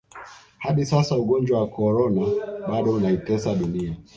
hadi sasa ugonjwa wa Corona bado unaitesa dunia